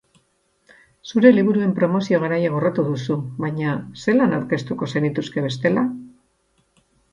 Zure liburuen promozio garaia gorroto duzu, baina, zelan aurkeztuko zenituzke bestela?